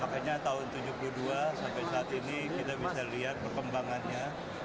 makanya tahun seribu sembilan ratus tujuh puluh dua sampai saat ini kita bisa lihat perkembangannya